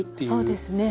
そうですね。